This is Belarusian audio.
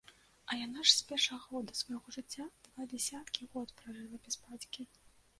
А яна ж з першага года свайго жыцця два дзесяткі год пражыла без бацькі.